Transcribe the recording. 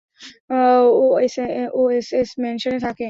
ও SS ম্যানশনে থাকে।